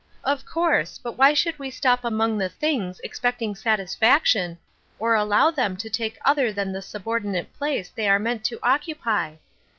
" Of course ; but why should we stop among the things expecting satisfaction, or allow them to take other than the subordinate place they were meant to occupy?